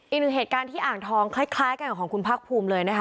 อีกหนึ่งเหตุการณ์ที่อ่างทองคล้ายกันกับของคุณภาคภูมิเลยนะคะ